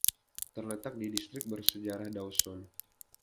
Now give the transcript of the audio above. Terletak di Distrik Bersejarah Dawson.